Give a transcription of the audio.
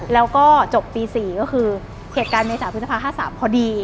แล้วก็จบปี๔ก็คือเหตุการณ์ในสารพื้นภาค๕๓พอดี